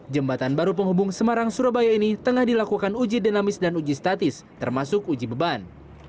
jembatan baru penghubung semarang surabaya ini tengah dilakukan uji dinamis dan uji statis termasuk uji beban